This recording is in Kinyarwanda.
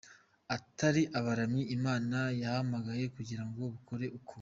ari ‘abaramyi Imana yahamagaye kugira ngo bakore ku